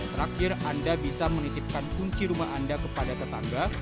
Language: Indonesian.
terakhir anda bisa menitipkan kunci rumah anda kepada tetangga